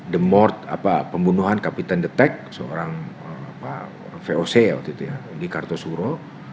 the mort apa pembunuhan kapitan the tag seorang voc waktu itu ya di kartosuro